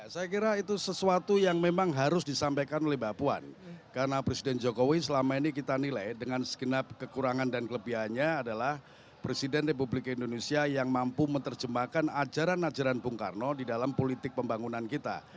saya kira itu sesuatu yang memang harus disampaikan oleh mbak puan karena presiden jokowi selama ini kita nilai dengan segenap kekurangan dan kelebihannya adalah presiden republik indonesia yang mampu menerjemahkan ajaran ajaran bung karno di dalam politik pembangunan kita